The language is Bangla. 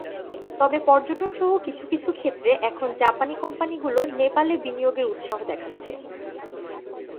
তবে পর্যটনসহ কিছু কিছু ক্ষেত্রে এখন জাপানি কোম্পানিগুলো নেপালে বিনিয়োগের উৎসাহ দেখাচ্ছে।